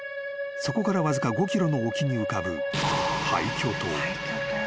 ［そこからわずか５ｋｍの沖に浮かぶ］